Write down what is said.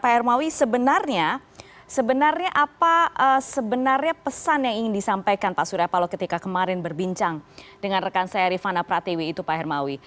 pak hermawi sebenarnya apa pesan yang ingin disampaikan pak surya palo ketika kemarin berbincang dengan rekan saya rifana pratwi pak hermawi